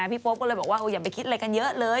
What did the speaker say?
โป๊ปก็เลยบอกว่าอย่าไปคิดอะไรกันเยอะเลย